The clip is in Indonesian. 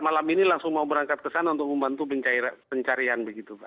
malam ini langsung mau berangkat ke sana untuk membantu pencarian begitu pak